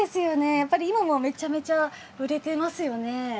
やっぱり今もめちゃめちゃ売れてますよね。